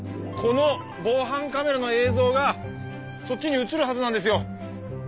この防犯カメラの映像がそっちに映るはずなんですよ。